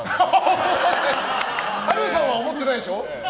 波瑠さんは思ってないでしょ。